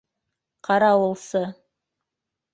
Ҡарауылсы